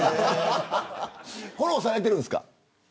フォローされているんですか。